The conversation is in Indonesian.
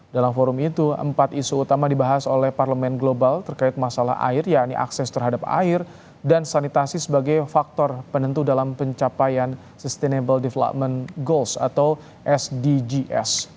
dalam forum itu empat isu utama dibahas oleh parlemen global terkait masalah air yakni akses terhadap air dan sanitasi sebagai faktor penentu dalam pencapaian sustainable development goals atau sdgs